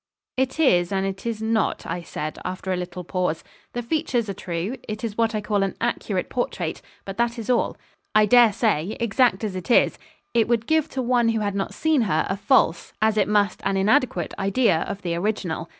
'It is, and it is not,' I said, after a little pause. 'The features are true: it is what I call an accurate portrait, but that is all. I dare say, exact as it is, it would give to one who had not seen her a false, as it must an inadequate, idea, of the original.